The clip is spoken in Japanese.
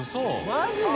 マジで？